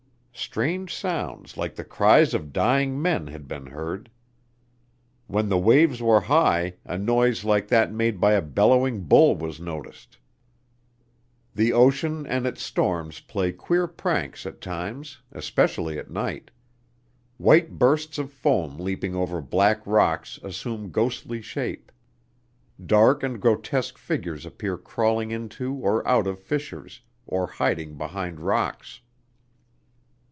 Strange sounds like the cries of dying men had been heard. When the waves were high, a noise like that made by a bellowing bull was noticed. The ocean and its storms play queer pranks at times, especially at night. White bursts of foam leaping over black rocks assume ghostly shape. Dark and grotesque figures appear crawling into or out of fissures, or hiding behind rocks.